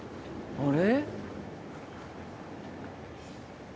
あれ？